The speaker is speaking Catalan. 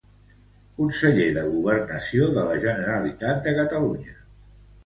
Conseller de governació de la Generalitat de Catalunya.